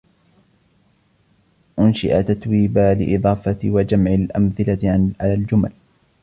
أُنشِئ تتويبا لإضافة وجمع الأمثلة على الجمل.